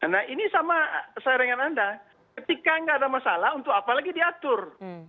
nah ini sama saya dengan anda ketika tidak ada masalah untuk apa lagi diatur